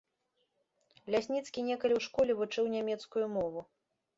Лясніцкі некалі ў школе вучыў нямецкую мову.